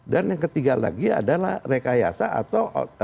dan yang ketiga lagi adalah rekayasa atau otak